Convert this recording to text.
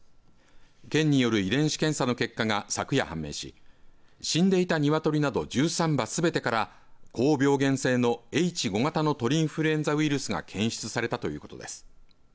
県による遺伝子検査の結果が昨夜、判明し死んでいた鶏など１３羽すべてから高病原性のＨ５型の鳥インフルエンザウイルスが検出されたということです。